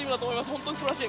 本当に素晴らしい！